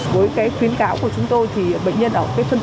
với cái khuyến cáo của chúng tôi thì bệnh nhân